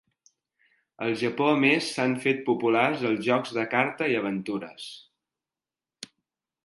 Al Japó a més s'han fet populars els jocs de carta i aventures.